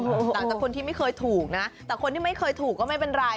หลังจากคนที่ไม่เคยถูกนะแต่คนที่ไม่เคยถูกก็ไม่เป็นไร